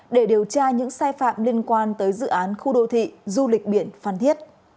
để điều tra những sai phạm liên quan tới dự án khu đô thị du lịch biển phan thiết